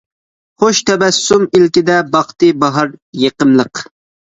خۇش تەبەسسۇم ئىلكىدە باقتى باھار يېقىملىق.